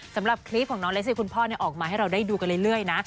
สำหรับคลิปของน้องเลสซีคุณพ่อออกมาให้เราได้ดูกันเรื่อยนะ